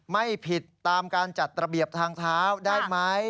ไม่ผิดตามการจัดระเบียบทางเท้าได้ไหม